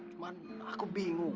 cuman aku bingung